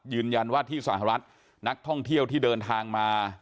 ยืนยันว่าที่สหรัฐนักท่องเที่ยวที่เดินทางมา